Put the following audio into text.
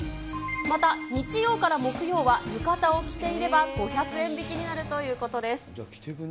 また、日曜から木曜は浴衣を着ていれば５００円引きになるということです。